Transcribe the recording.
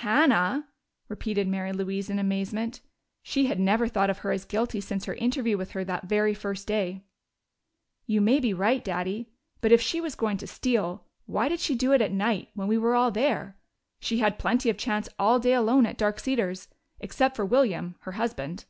"Hannah!" repeated Mary Louise in amazement. She had never thought of her as guilty since her interview with her that very first day. "You may be right, Daddy. But if she was going to steal, why did she do it at night, when we were there? She had plenty of chance all day alone at Dark Cedars except for William, her husband."